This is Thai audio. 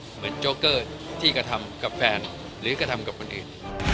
เหมือนโจ๊กเกอร์ที่ก็ทำกับแฟนหรือก็ทำกับคนอื่น